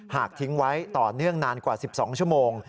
ทิ้งไว้ต่อเนื่องนานกว่า๑๒ชั่วโมง